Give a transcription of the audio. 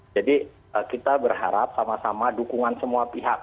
jadi kita berharap sama sama dukungan semua pihak